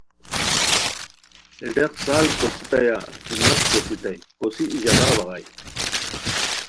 ہے ڈاق سال کوسیتایا کی مس کوسیتائے، کوسی ای ژاغا بغائے